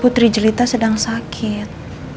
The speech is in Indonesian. putri jelita sedang sakit